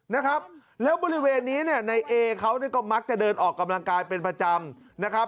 นะครับแล้วบริเวณนี้เนี่ยในเอเขาก็มักจะเดินออกกำลังกายเป็นประจำนะครับ